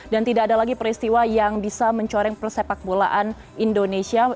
dan tidak ada lagi peristiwa yang bisa mencoreng persepak bolaan indonesia